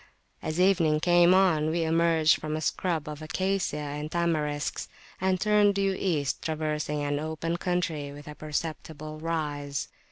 As evening came on, we emerged from a scrub of Acacia and Tamarisk and turned due East, traversing an open country with a perceptible rise.